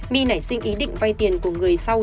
my nảy sinh ý định vay tiền của người sau